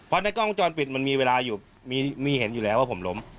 เพราะในกล้องวงจรปิดมันมีเวลาอยู่มีเห็นอยู่แล้วว่าผมล้ม